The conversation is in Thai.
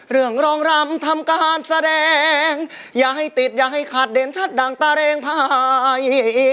รองรำทำการแสดงอย่าให้ติดอย่าให้ขาดเด่นชัดดังตะแรงภาย